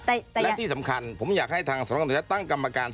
และที่สำคัญผมอยากให้ทางสำนักการตรวจตั้งกรรมการ